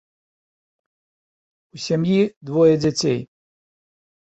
У сям'і двое дзяцей.